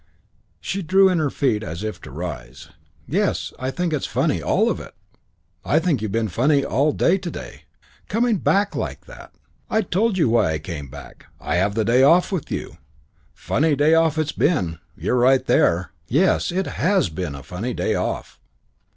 '" She drew in her feet as if to arise. "Yes, and I think it's funny. All of it. I think you've been funny all day to day. Coming back like that!" "I told you why I came back. To have a day off with you. Funny day off it's been! You're right there!" "Yes, it has been a funny day off."